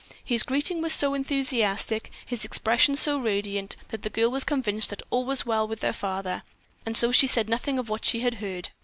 His greeting was so enthusiastic, his expression so radiant, that the girl was convinced that all was well with their father, and so she said nothing of what she had heard.